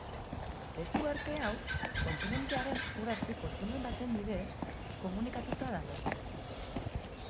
Beste uharte hau kontinentearen ur-azpiko tunel baten bidez komunikatuta dago.